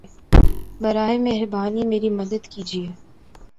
براہِ مہربانی میری مدد کیجیے